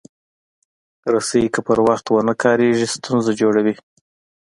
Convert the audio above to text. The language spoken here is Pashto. رسۍ که پر وخت ونه کارېږي، ستونزه جوړوي.